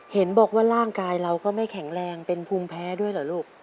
เห็นบอกว่าร่างกายเราก็ไม่แข็งแรงเป็นภูมิแพ้ด้วยเหรอลูก